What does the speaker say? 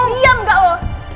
diam gak lo